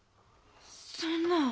そんな。